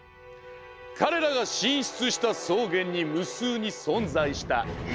彼らが進出した草原に無数に存在した石。